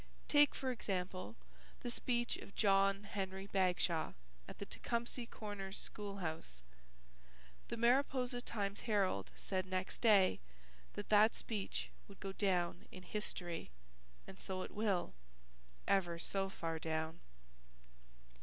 Take, for example, the speech of John Henry Bagshaw at the Tecumseh Corners School House. The Mariposa Times Herald said next day that that speech would go down in history, and so it will, ever so far down.